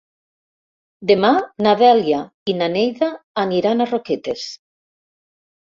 Demà na Dèlia i na Neida aniran a Roquetes.